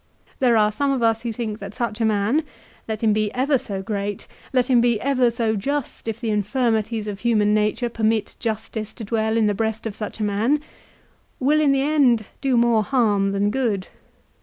There are. some of us who think that such a man, let him be ever so great let him be ever so just if the infirmities of human nature permit justice to dwell in the breast of such a man, will in the end do more harm than good.